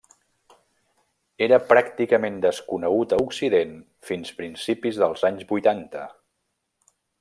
Era pràcticament desconegut a Occident fins principis dels anys vuitanta.